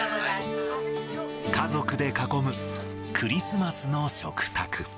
家族で囲むクリスマスの食卓。